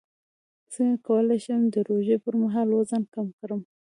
څنګه کولی شم د روژې پر مهال وزن کم کړم